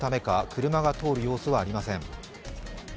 車が通る様子はありません。